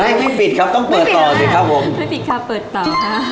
ให้ไม่ปิดครับต้องเปิดต่อสิครับผมไม่ปิดค่ะเปิดต่อค่ะ